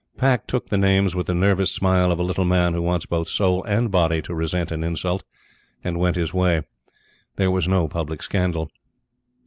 Pack took the names with the nervous smile of a little man who wants both soul and body to resent an insult, and went his way. There was no public scandal.